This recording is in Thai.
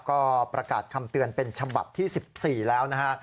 ก็ประกาศคำเตือนเป็นฉบับที่๑๔แล้วนะฮะ